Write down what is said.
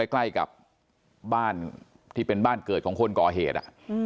ใกล้กับบ้านที่เป็นบ้านเกิดของคนก่อเหตุ